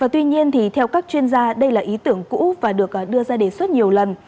tuy nhiên theo các chuyên gia đây là ý tưởng cũ và được đưa ra đề xuất nhiều lần